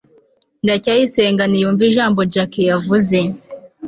ndacyayisenga ntiyumva ijambo jaki yavuze